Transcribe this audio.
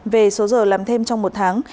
về số giờ làm thêm trong một tháng